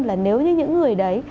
là nếu như những người đấy